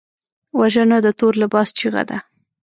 وژنه د تور لباس چیغه ده